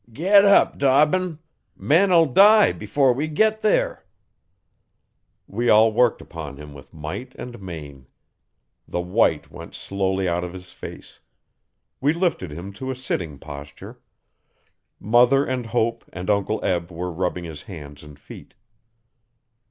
'Get ap, Dobbin! Man'll die 'fore ever we git there.' We all worked upon him with might and main. The white went slowly out of his face. We lifted him to a sitting posture. Mother and Hope and Uncle Eb were rubbing his hands and feet.